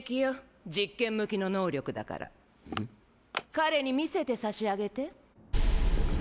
彼に見せてさしあげて。